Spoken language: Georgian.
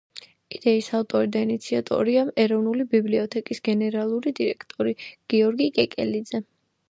იდეის ავტორი და ინიციატორია ეროვნული ბიბლიოთეკის გენერალური დირექტორი გიორგი კეკელიძე.